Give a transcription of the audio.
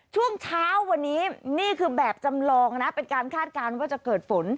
ช่วงเช้าวันนี้นี่คือแบบจำลองนะเป็นการคาดการณ์ว่าจะเกิดฝน